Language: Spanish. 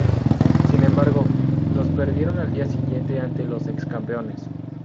Sin embargo, los perdieron al día siguiente ante los ex-campeones.